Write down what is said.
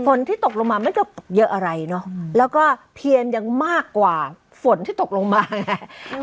ที่ตกลงมาไม่ก็เยอะอะไรเนอะแล้วก็เพียนยังมากกว่าฝนที่ตกลงมาไง